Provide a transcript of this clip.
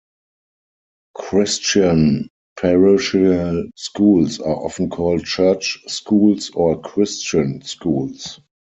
Christian parochial schools are often called "church schools" or "Christian schools".